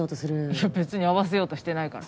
いや別に合わせようとしてないから。